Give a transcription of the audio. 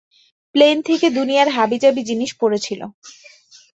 Plane থেকে দুনিয়ার হাবিজাবি জিনিস পড়েছিল।